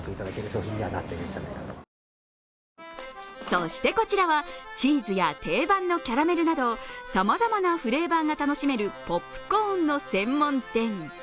そして、こちらはチーズや定番のキャラメルなどさまざまなフレーバーが楽しめるポップコーンの専門店。